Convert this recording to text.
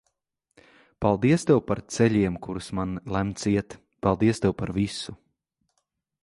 Paldies Tev par ceļiem, kurus man lemts iet. Paldies Tev par visu.